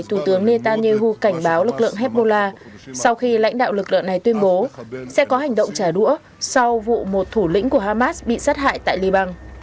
thủ tướng netanyahu cảnh báo lực lượng hezbollah sau khi lãnh đạo lực lượng này tuyên bố sẽ có hành động trả đũa sau vụ một thủ lĩnh của hamas bị sát hại tại liban